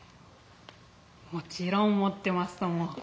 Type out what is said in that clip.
「もちろん持ってますとも」。